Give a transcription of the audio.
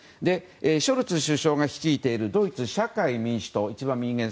ショルツ首相が率いているドイツ社会民主党。